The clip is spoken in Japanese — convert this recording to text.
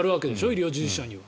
医療従事者には。